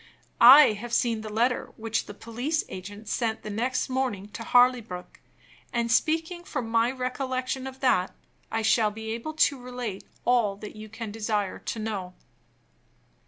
I have seen the letter which the police agent sent the next morning to Harleybrook; and, speaking from my recollection of that, I shall be able to relate all you can desire to know.